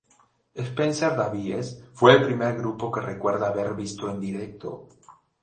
Spencer Davies fue el primer grupo que recuerda haber visto en directo.